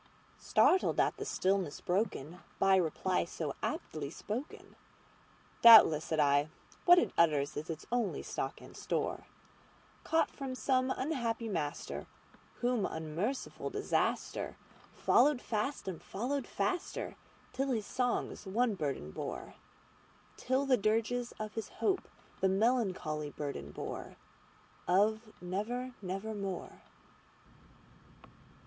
Startled at the stillness broken by reply so aptly spoken,"Doubtless," said I, "what it utters is its only stock and store, Caught from some unhappy master whom unmerciful DisasterFollowed fast and followed faster till his songs one burden bore:Till the dirges of his Hope that melancholy burden boreOf 'Never—nevermore.